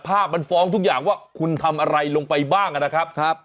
ภาพมันฟ้องทุกอย่างว่าคุณทำอะไรลงไปบ้างนะครับ